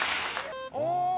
お！